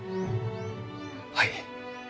はい。